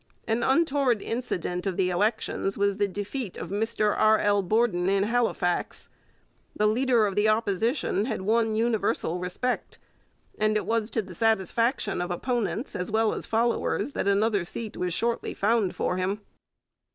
An untoward incident of the elections was the defeat of Mr R. L. Borden in Halifax. The leader of the Opposition had won universal respect, and it was to the satisfaction of opponents as well as followers that another seat was shortly found for him.